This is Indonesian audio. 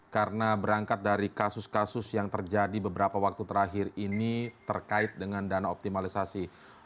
karena berangkat dari kasus kasus yang terjadi beberapa waktu terakhir ini terkait dengan dana optimalisasi